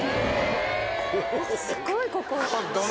すごいここ。